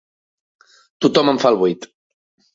Tothom em fa el buit.